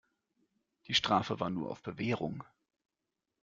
Die Strafe war nur auf Bewährung.